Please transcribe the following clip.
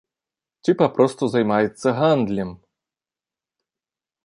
Ці папросту займаецца гандлем?